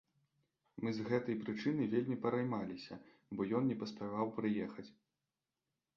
Мы з гэтай прычыны вельмі пераймаліся, бо ён не паспяваў прыехаць.